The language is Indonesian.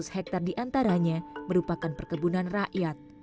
lima enam ratus hektare di antaranya merupakan perkebunan rakyat